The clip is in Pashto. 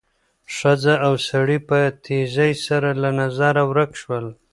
ښځه او سړی په تېزۍ سره له نظره ورک شول.